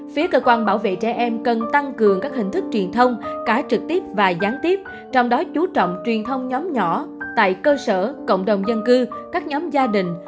phía cơ quan bảo vệ trẻ em cần tăng cường các hình thức truyền thông cả trực tiếp và gián tiếp trong đó chú trọng truyền thông nhóm nhỏ tại cơ sở cộng đồng dân cư các nhóm gia đình